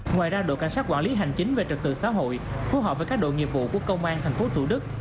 ngoài ra đội cảnh sát quản lý hành chính về trật tự xã hội phù hợp với các đội nghiệp vụ của công an tp thủ đức